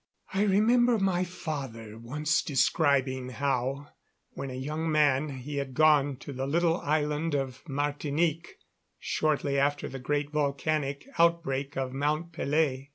I remember my father once describing how, when a young man, he had gone to the little island of Martinique shortly after the great volcanic outbreak of Mount Pelée.